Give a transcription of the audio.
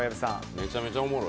めちゃめちゃおもろい。